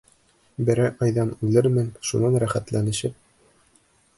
Берәй айҙан үлермен, шунан рәхәтләнешеп...